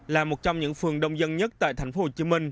là một trong những phường đông dân nhất tại tp hcm